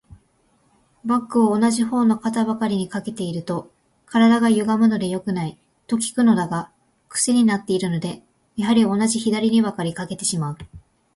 バッグを同じ方の肩ばかりに掛けていると、体がゆがむので良くない、と聞くのだが、クセになっているので、やはり同じ左にばかり掛けてしまう。